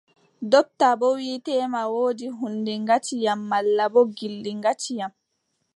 Dopta boo wii teema woodi huunde ŋati yam, malla boo gilɗi gati yam.